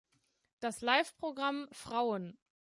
Das Live-Programm „Frauen.